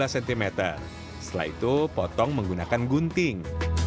setelah itu potong menggunakan gunting